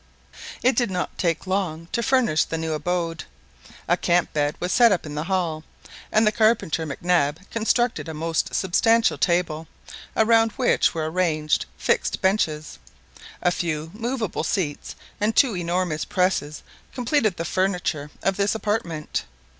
It did not take long to furnish the new abode. A camp bed was set up in the hall, and the carpenter Mac Nab constructed a most substantial table, around which were ranged fixed benches. A few movable seats and two enormous presses completed the furniture of this apartment.